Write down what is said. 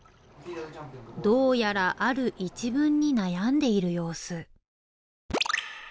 どうやらある一文に悩んでいる様子